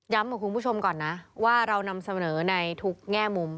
กับคุณผู้ชมก่อนนะว่าเรานำเสนอในทุกแง่มุม